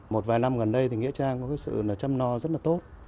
một vài năm gần đây thì nghĩa trang có sự chăm no rất là tốt